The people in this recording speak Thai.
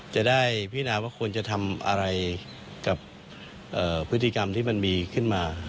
จะได้พินาว่าควรจะทำอะไรกับพฤติกรรมที่มันมีขึ้นมา